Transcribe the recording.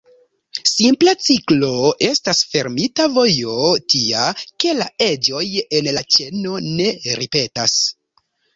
Simpla ciklo estas fermita vojo tia, ke la eĝoj en la ĉeno ne ripetas.